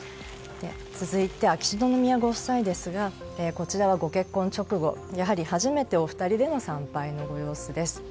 続いて、秋篠宮ご夫妻ですがご結婚直後、初めてのお二人での参拝のご様子です。